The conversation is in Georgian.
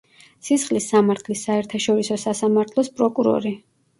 სისხლის სამართლის საერთაშორისო სასამართლოს პროკურორი.